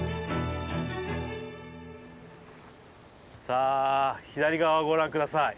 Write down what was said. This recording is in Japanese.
さあ左側をご覧下さい。